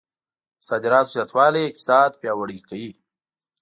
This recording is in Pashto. د صادراتو زیاتوالی اقتصاد پیاوړی کوي.